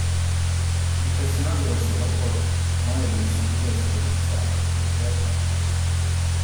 Impressionato dal suo lavoro, Moebius gli chiede di illustrare "Internal Transfer".